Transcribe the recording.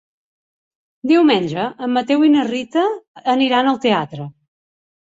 Diumenge en Mateu i na Rita aniran al teatre.